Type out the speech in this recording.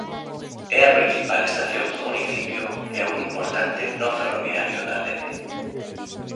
É a principal estación do municipio e un importante nó ferroviario da rede.